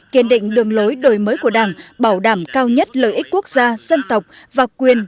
kiên định đường lối đổi mới của đảng bảo đảm cao nhất lợi ích quốc gia dân tộc và quyền